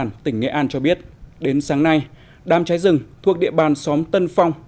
ubnd tỉnh nghệ an cho biết đến sáng nay đám cháy rừng thuộc địa bàn xóm tân phong